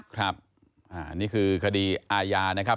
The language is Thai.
ครับอันนี้คือคดีอาญานะครับ